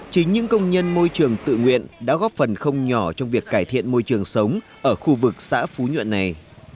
chính những công nhân môi trường tự nguyện đã góp phần không nhỏ trong việc cải thiện môi trường sống ở khu vực xã phú nhuận này